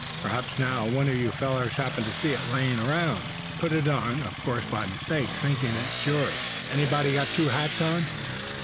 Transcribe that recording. P'raps, now, one of you fellers happened to see it lying around, and put it on, of course by mistake, thinkin' it his own. Anybody got two hats on?"